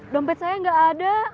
dompet saya tidak ada